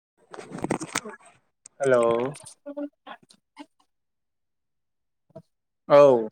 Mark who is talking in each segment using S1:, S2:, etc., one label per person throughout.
S1: हेल'
S2: [inaudible]
S1: औ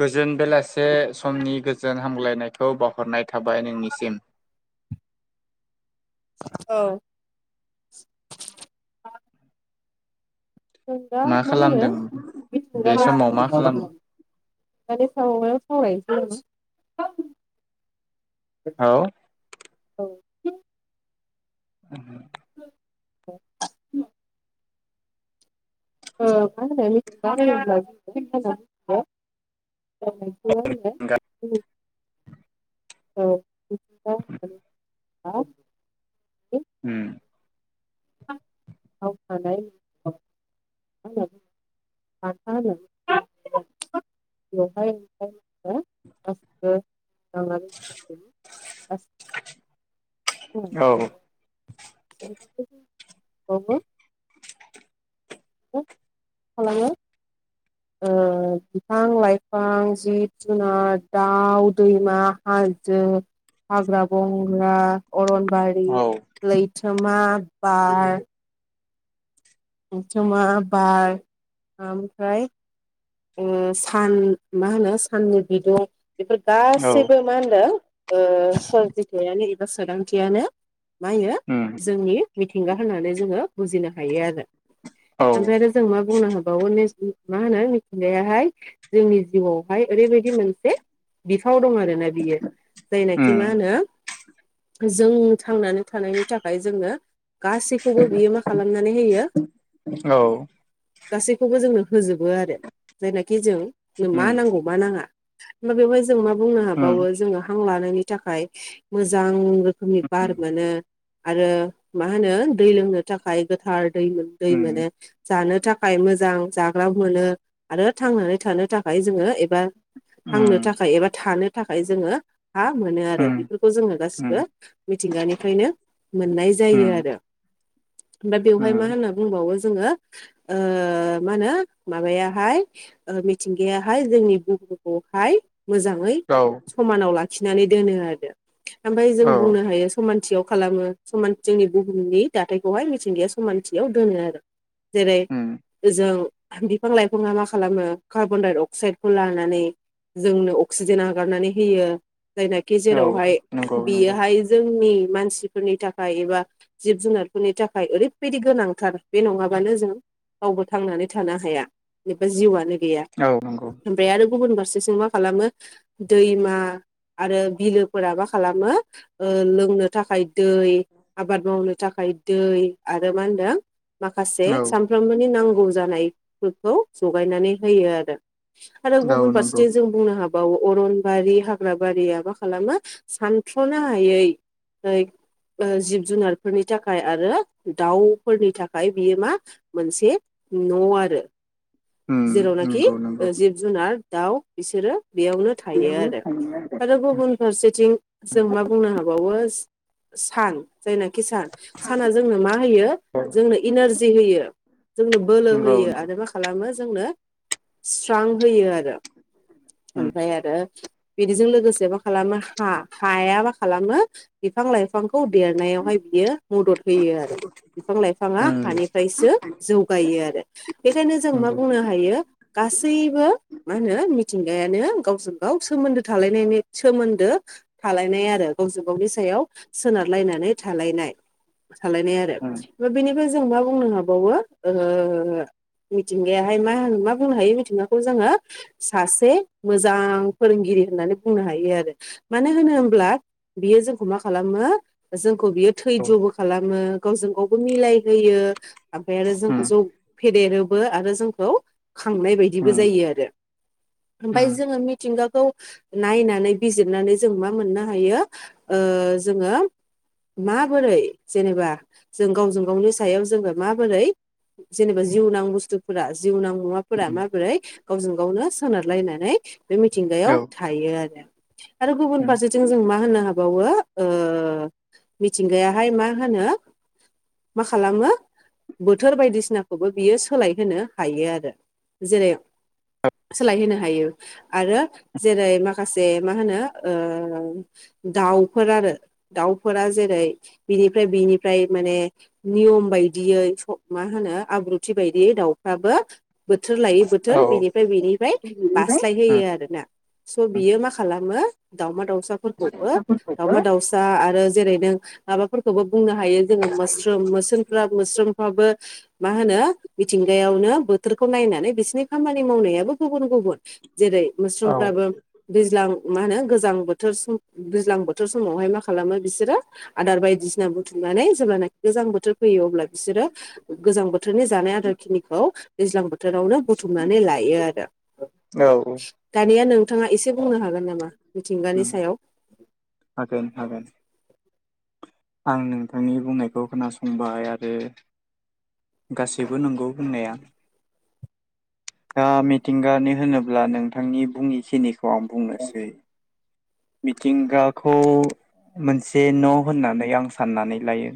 S1: गोजोन बेलासे समनि गोजोन हामग्लायनायखौ बावहरनाय थाबाय नोंनिसिम।
S2: औ बिथिंगा मा होनो
S1: बे समाव
S2: बिथिंगानि
S1: मा खालाम
S2: गानि सायावनो सावराय
S1: औ
S2: औ
S1: [inaudible]
S2: [unintelligible] ओ मा होनो मिथिंगा होनोब्ला जों। [unintelligible] औ [unintelligible]
S1: ओम।
S2: [unintelligible] बानथा होनो। [unintelligible] बेवहाय [unintelligible] [unintelligible]
S1: औ
S2: [unintelligible] [unintelligible] खालामो ओ बिफां लाइफां जिब जुनार दाउ दैमा हाजो। हाग्रा बंग्रा अरन बारि
S1: औ
S2: लैथोमा बार लैथोमा बार ओमफ्राय ओ- सान मा होनो साननि बिदुं। बेफोर
S1: औ
S2: गासैबो मा होनदों ओ-सोरजिथायानो एबा सोदांथियानो। मा बियो
S1: उम
S2: जोंनि मिथिंगा होननानै जोङो बुजिनो हायो आरो।
S1: औ
S2: ओमफ्राय आरो जों मा बुंनो होबावो नेस- मा होनो मिथिंगायाहाय जोंनि जिउआवहाय ओरैबायदि मोनसे थाव दं आरो ना बियो जायनाखि
S1: उम
S2: मा होनो? जों थांनानै थानायनि थाखाय जोंनो गासैखौबो बियो मा खालामनानै होयो
S1: औ
S2: गासैखौबो जोंनो होजोबो आरो जायनाखि जोंनो मा नांगौ मा नाङा दा बेवहाय जों मा बुंनो
S1: उम
S2: हाबावो जोङो हां लानायनि थाखाय मोजां रोखोमनि बार मोनो आरो मा होनो दै लोंनो थाखाय गोथार दै मोनो। दै
S1: उम
S2: जानो थाखाय मोजां जाग्रा मोनो आरो थांनानै थानो थाखाय जोङो एबा
S1: उम
S2: थांनो
S1: उम
S2: थाखाय एबा थानो थाखाय जोङो आ मोनो आरो
S1: उम
S2: बेफोरखौ जोङो
S1: उम
S2: गासैबो मिथिंगानिफ्रायनो मोननाय जायो
S1: उम
S2: आरो ओमफ्राय बेवहाय
S1: उम
S2: मा होनो जोङो ओ माहोनो माबायाहाय मिथिंगायाहाय जोंनि खौहाय मोजाङै
S1: औ
S2: समानाव लाखिनानै दोनो आरो ओमफ्राय जों
S1: औ
S2: बुंनो हायो समानथियाव खालामो समान जोंनि बुहुमनि दाथायखौहाय मिथिंगाया समानथियाव दोनो आरो जेरै
S1: उम
S2: जों बिफां लाइफाङा मा खालामो कार्बनडाइ अक्साइदखौ लानानै जोंनो अक्सिजेन हगारनानै होयो जायनाखि
S1: औ
S2: जेरावहाय
S1: नंगौ नंगौ
S2: बियोहाय जोंनि मानसि मानसिफोरनि थाखाय एबा जिब जुनारफोरनि थाखाय ओरैबायदि गोनांथार बे नङाबानो जों रावबो थांनानै थानो हाया एबा जिउआनो गैया
S1: औ नंगौ
S2: ओमफ्राय आरो गुबुन फारसेथिं मा खालामो दैमा आरो बिलोफोरा मा खालामो लोंनो थाखाय दै आबाद मावनो थाखाय दै आरो मा होनदों माखासे
S1: औ
S2: सानफ्रोमबोनि नां गौ जानायफोरखौ जगायनानै होयो आरो आरो
S1: औ
S2: गुबुन
S1: नंगौ
S2: फारसेथिं जों बुंनो हाब बावो अरनबारि हाग्राबारिया मा खालामो सानस'नो हायै ओ जिब जुनारफोरनि थाखाय आरो दाउफोरनि थाखाय बियो मा मोनसे न' आरो
S1: उम
S2: जेरावनाखि
S1: नंगौ नंगौ
S2: जिब जुनार दाउ बिसोरो बेयावनो थायो आरो आरो गुबुन फारसेथिं जों मा बुंनो हाबावो सान जायनाखि सान साना जोंनो मा होयो जोंनो इनारजि होयो जोंनो बोलो
S1: नंगौ
S2: होयो
S1: नंगौ
S2: आरो मा खालामो जोंनो स्रां होयो आरो
S1: उम
S2: ओमफ्राय आरो बिदिजों लोगोसे मा खालामो हा हाया मा खालामो बिफां लाइफां खौ देरनायावहाय बियो मदद होयो आरो बिफां लाइफाङा
S1: उम
S2: हानिफ्रायसो जौगायो आरो बेखायनो जों मा
S1: नंगौ
S2: बुंनो हायो हायो गासैबो माहोनो मिथिंगायानो गावजों गाव सोमोन्दो थालायनाय‌ सोमोन्दो थालायनाय‌ आरो गावजों गावावनि सायाव सोनारलायनानै थालायनाय थालायनाय
S1: उम
S2: आरो बेनिफ्राय जों मा बुंनो हाबावो ओ मिथिंगायाहाय मा मा बुंनो हायो मिथिंगाखौ जोङो सासे मोजां फोरोंगिरि होननानै बुंनो हायो आरो मानो होनो होनब्ला बियो जोंखौ मा खालामो जों खौ बियो
S1: औ हागोन
S2: थैज'बो खालामो गावजों गावबो मिलायहोयो ओमफ्राय आरो जोंखौ जौ फेदेरोबो आरो जोंखौ खांनाय बायदिबो जायो आरो ओमफ्राय जोङो मिथिंगाखौ नायनानै बिजिरनानै जों मा मोननो हायो ओ जोङो माबोरै जेनेबा जों गावजों गावनि सायाव जोङो माबोरै जेनेबा जिउनां बुस्थुफोरा जिउनां मुवाफोरा माबोरै गावजों गावनो सोनारलायनानै बे मिथिंगायाव थायो आरो आरो गुबुन फारसेथिं जों मा होननो हाबा [unintelligible] ओ मिथिंगायाहाय मा होनो मा खालामो बोथोर बायदिसिनाखौबो बियो सोलाय होनो हायो आरो जेरै - सोलाय होनो हायो आरो जेरै माखासे मा होनो ओ दाउफोर आरो दाउफोरा जेरै बिनि फ्राय बेनिफ्राय माने नियम बायदियै मा होनो आब्रुथि बायदियै दाउफ्राबो बोथोर लायै बोथोर बेनिफ्राय बेनिफ्राय बास्लायहोयो आरोना स' बियो मा खालामो दाउमा दाउसाफोरखौबो दाउमा दाउसा आरो जेरै नों माबाफोरखौबो बुंनो हायो जोङो मोस्रोम मोस्रोमफ्रा मोस्रोम फ्राबो मा होनो मिथिंगायावनो बोथोरखौ नायनानै बिसिनि खामानि मावनायाबो गुबुन गुबुन गुबुन जेरै मोस्रोमफ्राबो दैज्लां मा होनो गोजां बोथोर सम दैज्लां बोथोर समावहाय मा खालामो बिसोरो आदार बायदिसि ना बुथुमनानै जेब्लानाखि गोजां बोथोर फैयो अब्ला बिसोरो गोजां बोथोरनि जानाय आदार खिनिखौ दैज्लां बोथोरावनो बुथुमनानै लायो आरो दानिया नों थाङा एसे बुंनो हागोन नामा मिथिंगानि सायाव
S1: हागोन आं नोंथांनि बुंनायखौ खोनासंबाय आरो गासैबो नंगौ बुंनाया दा मिथिंगानि होनोब्ला नोंथांनि बुङिखिनिखौ आं बुंनोसै मिथिंगाखौ मोनसे न' होननानै आं साननानै लायो।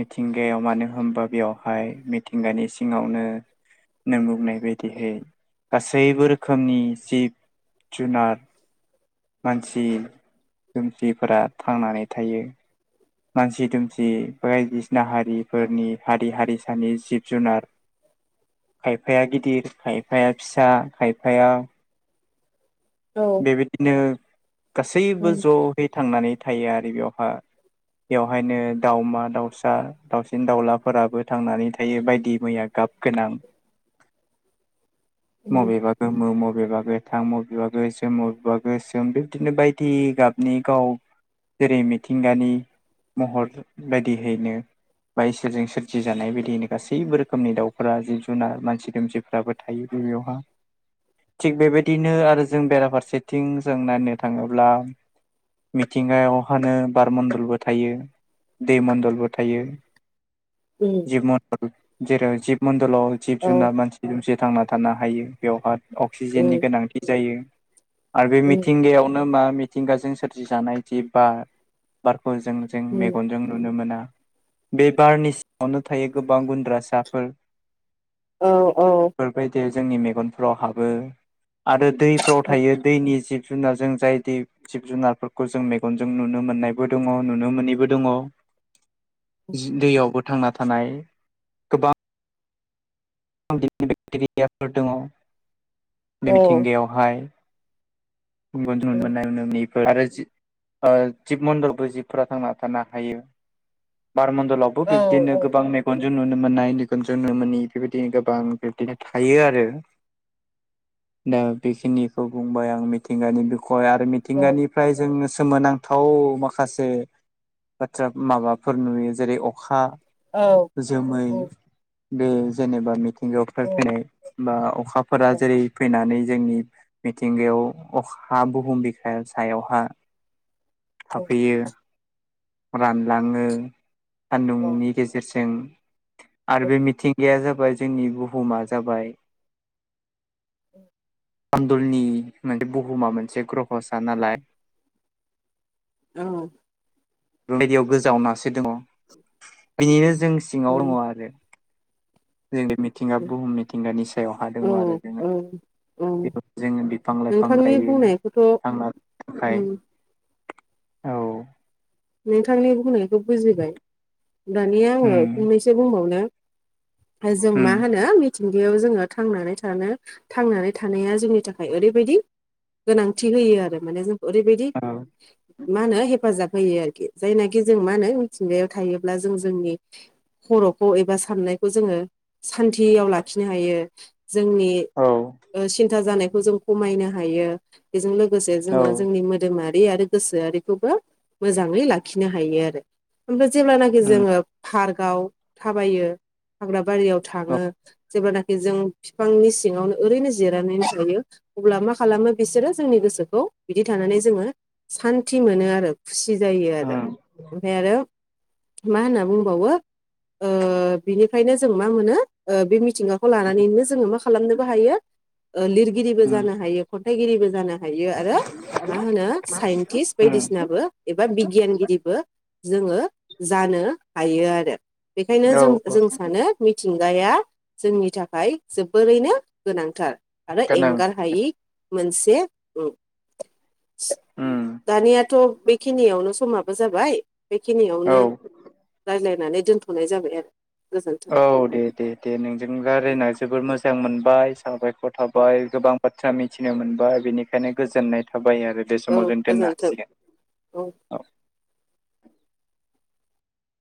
S1: मिथिंगायाव मानो होनबा बेवहाय मिथिंगानि सिङावनो नों बुंनाय बायदियै गासैबो रोखोमनि जिब जुनार मानसि दुमसिफोरा थांनानै थायो मानसि दुमसि बायदिसिना हारिफोरनि हारि हारिसानि जिब जुनार खायफाया गिदिर खायफाया फिसा खायफाया
S2: औ
S1: बेबायदिनो गासैबो
S2: उम
S1: ज'यै थांनानै थायो आरो बेयावहा बेवहायनो दाउमा दाउसा दाउसिन दाउलाफोराबो थांनानै थायो बायदि मैया गा गाब गोनां
S2: उम
S1: मबेबा गोमो मबेबा गोथां बबेबा गो मोम मबेबा गोसोम बेबदिनो बायदि गाबनि गाव जेरै मिथिंगानि महर बायदिहैनो बा इसोरजों सोरजि जानाय बायदियैनो गासैबो रोखोमनि दाउफोरा जिब जुनार मानसि दोमसिफ्राबो थायो। गिबियाव हा थिग बेबायदिनो आरो जों बेरा फारसेथिं जों नायनो थाङोब्ला मिथिंगायावहानो बार मण्न्दलबो थायो दैमण्डलबो थायो।
S2: उम
S1: जिब मन्दल जेराव जिब मन्दलाव जिब
S2: औ
S1: जुनार मानसि दुमसि थांना थानो हायो बेवहाय अक्सिजेननि
S2: उम
S1: गोनांथि जायो। आरो बे
S2: उम
S1: मिथिंगायावनो मा मिथिंगाजों सोरजिजानाय जि बार बार फोरजों जों
S2: उम
S1: मेगनजों नुनो मोना बे बारनि सिङावनो थायो गोबां गुन्द्रासाफोर
S2: औ औ
S1: बेफोरबायदि जोंनि मेगनफ्राव हाबो आरो दैफ्राव
S2: औ
S1: थायो। जोंनि जिब जुनारजों जाय जिब जुनारफोरखौ जों मेगनजों नुनो मोन्नायबो दङ नुनो मोनैबो दङ। दैयावबो थांना थानाय गोबां [unintelligible] दङ बे
S2: औ
S1: मिथिंगायावहाय [unintelligible] आरो ओ जिब मन्दरबो जिबफोरा थांना थानो हायो बारमण्डलावबो
S2: औ
S1: बिबदिनो
S2: औ
S1: गोबां
S2: औ
S1: मेगन -जों नुनो मोननाय मेगनजों नुनो मोनिनि बेबायदिनो गोबां बिबदिनो थायो आरो दा बेखिनिखौ बुंबाय आं मिथिंगानि बिखय आरो
S2: औ
S1: मिथिंगानिफ्राय जोङो। सोमोनांथाव माखासे बाथ्रा माबाफोर नुयो जेरै अखा।
S2: औ
S1: जोमै
S2: औ
S1: बे जेनेबा मि हिनजावफोर फैनाय बा अखाफोरा
S2: औ
S1: जेरै फैनानै जोंनि मिथिंगायाव। अखा बुहुम बिखा सायावहा थाफैयो। रानलाङो
S2: औ
S1: सानदुंनि गेजेरजों। आरो बे मिथिंगाया जाबाय जोंनि बुहुमा जाबाय आन्दलनि मोनसे बुहुमा मोनसे ग्रह'सा नालाय
S2: औ
S1: बेबायदियाव गोजावनासो दङ बिनिनो जों
S2: उम
S1: सिङाव दङ आरो जोंनि मिथिंगा
S2: उम
S1: बुहुम मिथिंगानि सायाव हा दङ
S2: औ
S1: आरो जोङो
S2: औ औ
S1: बेयाव जोङो बिफां लाइफां
S2: नोंथांनि
S1: गायो
S2: बुंनायखौथ'
S1: थांनाथानो थाखाय
S2: उम
S1: औ
S2: नोंथांनि बुंनायखौ बुजिबाय दानिया
S1: उम
S2: आङो फंनैसो बुंबावनो जों
S1: उम
S2: मा होनो। मिथिंगायाव जोङो थांनानै थानो थांनानै थानाया जोंनि थाखाय ओरैबायदि गोनांथि होयो आरो माने जोंखौ ओरैबायदि
S1: औ
S2: मा होनो हेफाजाब होयो आरोखि जायनाखि जों मा होनो मिथिंगायाव थायोब्ला जों जोंनि खर'खौ एबा साननायखौ जोङो सान्थियाव लाखिनो हायो। जोंनि
S1: औ
S2: सिन्था जानायखौ जों खमायनो हायो बेजों लोगोसे
S1: औ
S2: जोङो जोंनि मोदोमारि आरो गोसोआरिखौबो मोजाङै लाखिनो हायो आरो ओमफ्राय जेब्लानाखि
S1: उम
S2: जोङो पार्कआव थाबायो हाग्रा बारियाव
S1: औ
S2: थाङो जेब्लानाखि जों बिफांनि सिङावनो ओरैनो जिरायनानैनानै थायो अब्ला मा खालामो बिसोरो जोंनि गोसोखौ बिदि थानानै जोङो सान्थि मोनो आरो खुसि जायो आरो
S1: उम
S2: ओमफ्राय आरो मा होनना बुंबावो बिनिखायनो जों मा मोनो बे मिथिंगाखौ लानानैनो जोङो मा खालामनोबो हायो लिरगिरिबो
S1: उम
S2: जानो हायो खन्थाइगिरिबो जानो हायो। हायो आरो मा होनो साइन्टिस्ट
S1: उम
S2: बायदिसिनाबो एबा बिगियानगिरिबो जोङो जानो हायो आरो बेखायनो
S1: औ
S2: जों
S1: औ
S2: जों सानो मिथिंगाया जोंनि थाखाय जोबोरैनो गोनांथार आरो एंगार
S1: खोनादों
S2: हायि मोनसे
S1: उम
S2: दानियाथ' बेखिनियावनो समाबो जाबाय बेखिनियावनो
S1: औ
S2: रायज्लायनानै दोनथ'नाय जाबाय आरो गोजोन्थों
S1: औ दे दे दे नोंजों रारायना जोबोर मोजां मोनबाय साबायख'र।
S2: औ
S1: साबायख'रथाबाय गोबां बाथ्रा मिथिनो मोनबाय बेनिखायनो गोजोननाय थाबाय। थाबायो आरो बे
S2: औ
S1: समाव जों दोननो
S2: गोजोन्थों
S1: हासिगोन औ